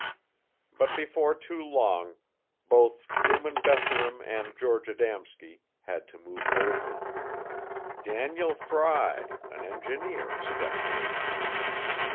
But before too long, both Truman Bethurum and George Adamski had to move over. Daniel Fry, an engineer, stepped in.